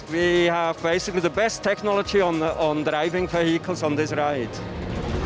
kita punya teknologi terbaik untuk menggunakan kendaraan di perjalanan ini